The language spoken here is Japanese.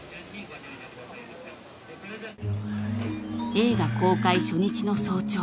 ［映画公開初日の早朝］